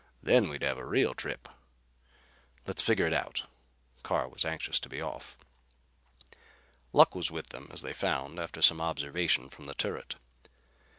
Then we'd have a real trip." "Let's figure it out." Carr was anxious to be off. Luck was with them, as they found after some observations from the turret.